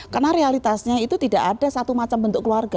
karena realitasnya itu tidak ada satu macam bentuk keluarga